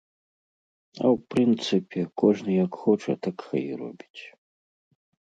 А ў прынцыпе, кожны як хоча так хай і робіць.